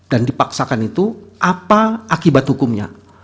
dan dipaksakan itu apa akibat hukumnya